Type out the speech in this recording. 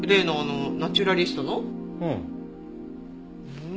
うん。